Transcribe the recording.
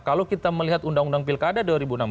kalau kita melihat undang undang pilkada dua ribu enam belas